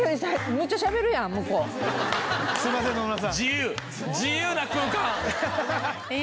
すいません野々村さん。